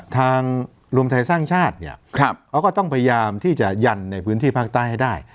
ทางรวมไทยสร้างชาติเนี่ยเขาก็ต้องพยายามที่จะยันในพื้นที่ภาคใต้ให้ได้